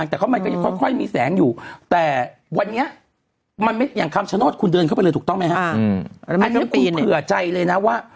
แล้วเค้าบอกเงียนเงาอยู่ข้างหลังของบ๊อตดำใช่เปล่าแล้วก็บอกนิ่งยังเงาอยู่ข้างหลังของบ๊อตดำใช่เปล่า